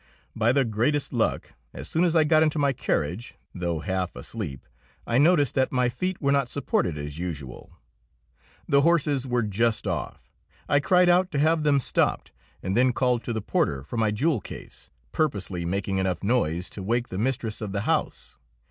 By the greatest luck, as soon as I got into my carriage, though half asleep, I noticed that my feet were not supported as usual. The horses were just off. I cried out to have them stopped, and then called to the porter for my jewel case, purposely making enough noise to wake the mistress of the house.